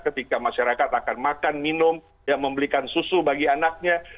ketika masyarakat akan makan minum membelikan susu bagi anaknya